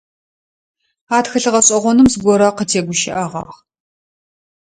А тхылъ гъэшӏэгъоным зыгорэ къытегущыӏэгъагъ.